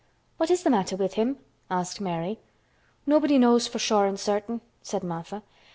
"What is the matter with him?" asked Mary. "Nobody knows for sure and certain," said Martha.